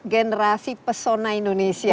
generasi pesona indonesia